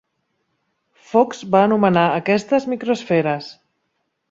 Fox va anomenar aquestes "micro-esferes".